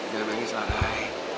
gak mau nangis lah rai